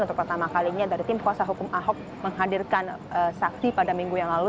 untuk pertama kalinya dari tim kuasa hukum ahok menghadirkan saksi pada minggu yang lalu